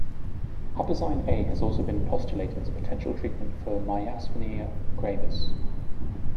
Huperzine A has also been postulated as a potential treatment for myasthenia gravis.